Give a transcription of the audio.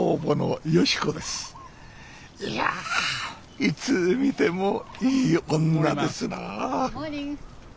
いやいつ見てもいい女ですな